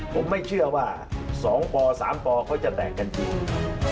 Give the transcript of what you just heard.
ผมไม่เชื่อว่า๒ป๓ปเขาจะแต่งกันจริง